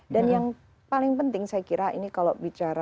dan yang paling penting saya kira ini kalau bicara